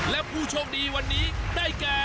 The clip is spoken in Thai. และผู้โชคดีวันนี้ได้แก่